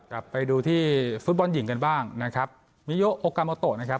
กลับไปดูที่ฟุตบอลหญิงกันบ้างนะครับมิโยโอกาโมโตะนะครับ